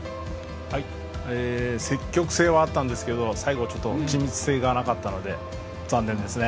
積極性はあったんですけど、最後、緻密性がなかったので残念ですね。